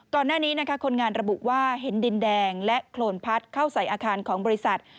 ก่อนหน้านี้นะคะคนงานระบุว่าเห็นดินแดงและโครนพัดเข้าใส่อาคารของบริษัท